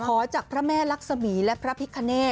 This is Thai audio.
จากพระแม่ลักษมีและพระพิคเนต